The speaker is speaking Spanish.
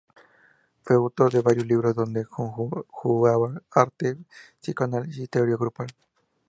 Fue autor de varios libros donde conjuga arte, psicoanálisis y teoría grupal.